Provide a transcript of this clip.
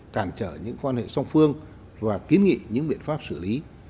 cản trở những quan hệ song phương và kiến nghị những biện pháp xử lý